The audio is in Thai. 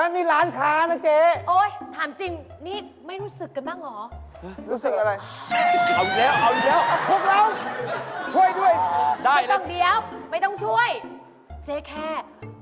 เนี่ยล้านคานะเจ๊